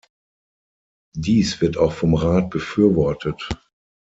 Dies wird auch vom Rat befürwortet.